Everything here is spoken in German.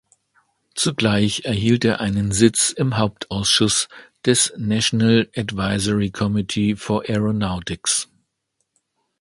Zugleich erhielt er einen Sitz im Hauptausschuss des National Advisory Committee for Aeronautics.